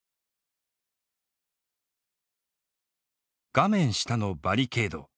画面下のバリケード。